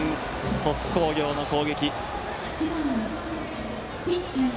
鳥栖工業の攻撃。